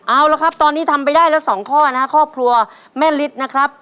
เอาละครับตอนนี้ทำไปได้แล้วสองข้อนะครับครอบครัวแม่ฤทธิ์นะครับ